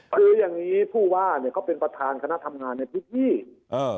คืออย่างนี้ผู้ว่าเขาเป็นประธานคณะทำงานในทุกที่